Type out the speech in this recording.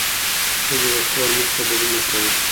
ښځې د کور مخ ته ګلونه کري.